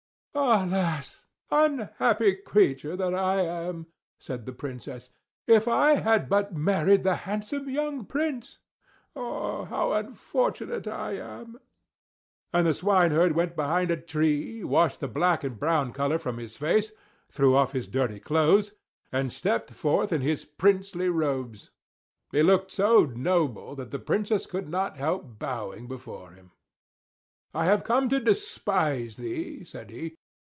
"Alas! Unhappy creature that I am!" said the Princess. "If I had but married the handsome young Prince! Ah! how unfortunate I am!" And the swineherd went behind a tree, washed the black and brown color from his face, threw off his dirty clothes, and stepped forth in his princely robes; he looked so noble that the Princess could not help bowing before him. "I am come to despise thee," said he.